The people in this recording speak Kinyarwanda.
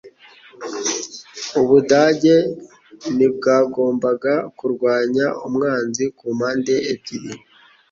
Ubudage ntibwagombaga kurwanya umwanzi kumpande ebyiri